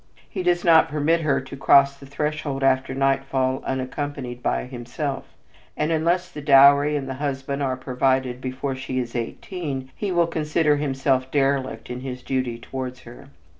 He does not permit her to cross the threshold after nightfall unaccompanied by himself, and unless the dowry and the husband are provided before she is eighteen he will consider himself derelict in his duty towards her.